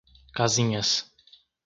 Casinhas